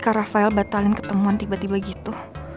karena rafael batalin ketemuan tiba tiba gitu